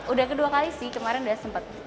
udah kedua kali sih kemarin udah sempat